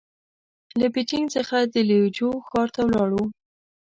له بېجينګ څخه د ليوجو ښار ته ولاړو.